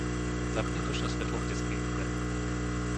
Zapni nočné svetlo v detskej izbe.